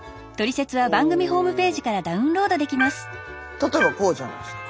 例えばこうじゃないですか。